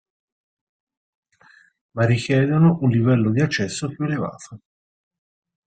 Ma richiedono un livello d'accesso più elevato.